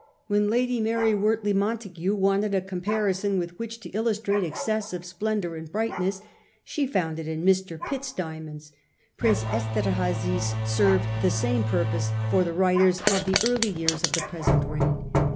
When Lady Mary Wortley Montagu wanted a comparison wdth which to illustrate exces sive splendour and brightness, she found it in 1 Mr. Pitt's diamonds.' Prince Esterhazy's served the same purpose for the writers of the early years of the present reign.